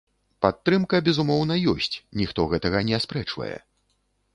Падтрымка, безумоўна, ёсць, ніхто гэтага не аспрэчвае.